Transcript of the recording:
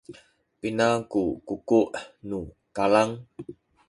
pina ku kuku’ nu kalang?